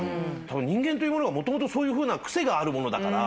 たぶん人間というものはもともとそういうふうな癖があるものだから。